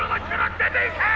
・出ていけー！